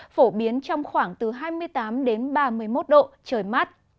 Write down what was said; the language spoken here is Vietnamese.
phổ biến trong khoảng từ hai mươi tám km